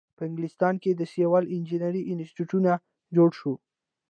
په انګلستان کې د سیول انجینری انسټیټیوټ جوړ شو.